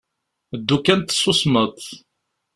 Ddu kan tessusmeḍ.